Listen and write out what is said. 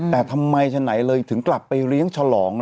แต่ทำไมฉะไหนเลยถึงกลับไปเลี้ยงฉลอง